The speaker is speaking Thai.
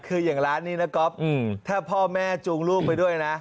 คืออย่างร้านนี้นะก๊อฟถ้าพ่อแม่จูงลูกไปด้วยนะ